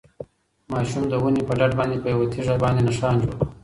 ماشوم د ونې په ډډ باندې په یوه تیږه باندې نښان جوړ کړ.